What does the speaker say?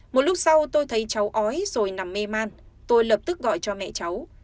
một lúc sau tôi thấy cháu ói rồi nằm mê man tôi lập tức gọi cho mẹ cháu